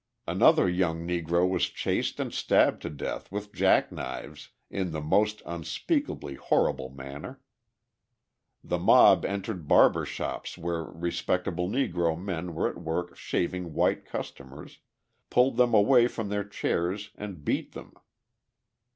Another young Negro was chased and stabbed to death with jack knives in the most unspeakably horrible manner. The mob entered barber shops where respectable Negro men were at work shaving white customers, pulled them away from their chairs and beat them.